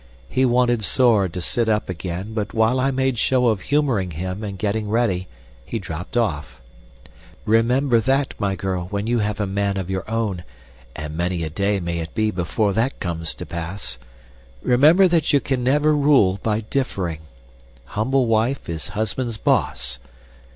He wanted sore to sit up again, but while I made show of humoring him and getting ready, he dropped off. Remember that, my girl, when you have a man of your own (and many a day may it be before that comes to pass), remember that you can never rule by differing; 'humble wife is husband's boss.